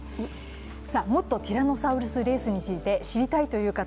もっとティラノサウルスレースについて知りたいという方。